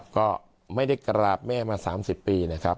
ก็ไม่ได้กราบแม่มา๓๐ปีนะครับ